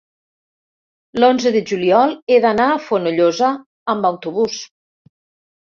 l'onze de juliol he d'anar a Fonollosa amb autobús.